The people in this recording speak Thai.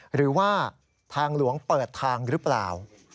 หรือว่าทางหลวงเปิดทางหรือเปล่า